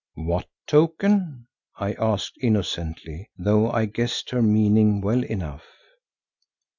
"What token?" I asked innocently, though I guessed her meaning well enough.